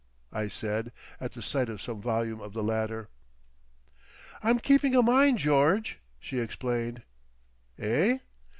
I said, at the sight of some volume of the latter. "I'm keeping a mind, George," she explained. "Eh?"